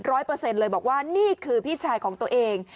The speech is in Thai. เปอร์เซ็นต์เลยบอกว่านี่คือพี่ชายของตัวเอง